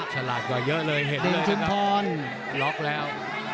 ฉลาดกว่าเยอะเลยเห็นกันเลยนะครับเด่นชุมพรล็อกแล้ว